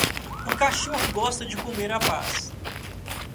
Outro cachorro gosta de comer a paz.